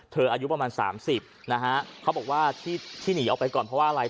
อายุประมาณ๓๐นะฮะเขาบอกว่าที่หนีออกไปก่อนเพราะว่าอะไร